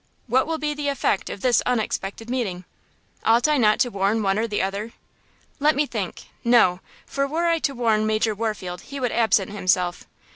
What will be the effect of this unexpected meeting? Ought I not to warn one or the other? Let me think–no! For were I to warn Major Warfield he would absent himself.